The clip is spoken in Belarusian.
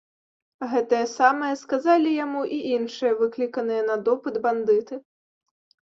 Гэтае самае сказалі яму і іншыя, выкліканыя на допыт, бандыты.